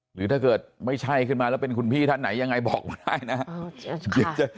หรือถ้าเกิดไม่ใช่ขึ้นมาแล้วเป็นคุณพี่ท่านไหนยังไงบอกมาได้นะครับ